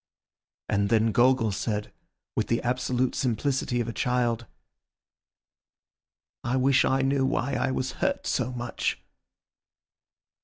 And then Gogol said, with the absolute simplicity of a child— "I wish I knew why I was hurt so much."